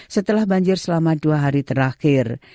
setelah banjir selama dua hari terakhir